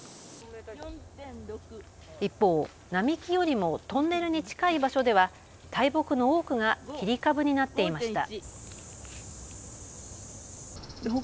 一方、並木よりもトンネルに近い場所では大木の多くが切り株になっていました。